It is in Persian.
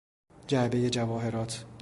جعبهی جواهرات